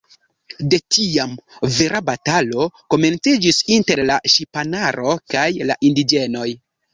De tiam, vera batalo komenciĝis inter la ŝipanaro kaj la indiĝenoj.